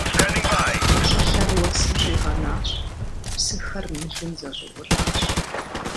ЩӀылъэр уэсым щӀигъэнащ, псыхэр мылым зэщӀиӀулӀащ.